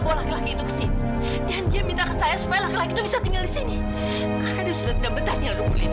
bisa tinggal di sini